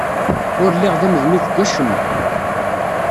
Ur lliɣ d amednub deg wacemma.